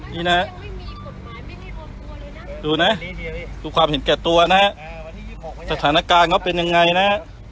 นี่นะดูนะดูความเห็นแก่ตัวนะฮะสถานการณ์เขาเป็นยังไงนะฮะ